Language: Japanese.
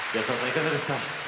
いかがでした？